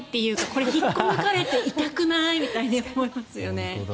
これで引っこ抜かれて痛くない？って思いますね。